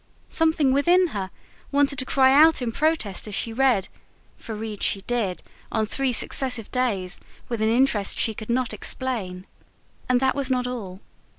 Something within her wanted to cry out in protest as she read for read she did, on three successive days, with an interest she could not explain. And that was not all.